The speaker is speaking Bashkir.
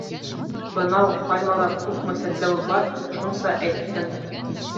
Бынау пальмала күпме сәтләүек бар, шунса әйттең.